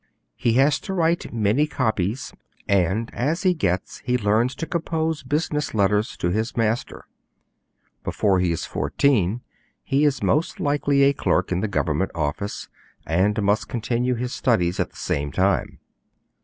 He has to write many copies, and as he gets he learns to compose business letters to his master; before he is fourteen he is most likely a clerk in a government office, and must continue his studies at the same time.